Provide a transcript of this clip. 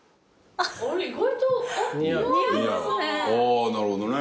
あぁなるほどね。